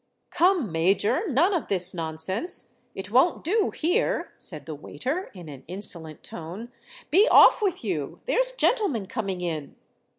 "Come, Major, none of this nonsense—it won't do here," said the waiter, in an insolent tone. "Be off with you—there's gentlemen coming in."